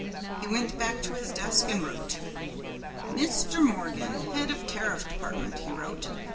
He went back to his desk and wrote. "Mr. Morgan, Head of Tariff Department," he wrote.